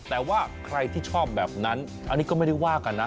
แต่ว่าใครที่ชอบแบบนั้นอันนี้ก็ไม่ได้ว่ากันนะ